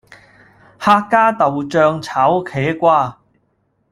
客家豆酱炒茄瓜